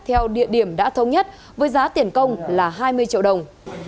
theo địa điểm đã thống nhất với giá tiền công là hai mươi triệu đồng